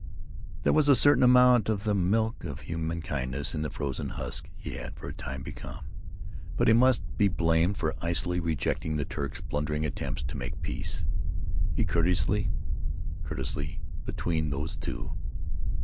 There was a certain amount of the milk of human kindness in the frozen husk he had for a time become. But he must be blamed for icily rejecting the Turk's blundering attempts to make peace. He courteously—courtesy, between these two!